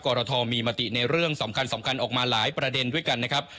กรทมีมติในเรื่องสำคัญออกมาหลายประเด็นด้วยกันนะครับ